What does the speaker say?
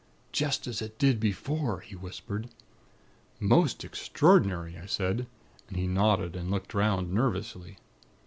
"'Just as it did before,' he whispered. "'Most extraordinary,' I said, and he nodded and looked 'round, nervously.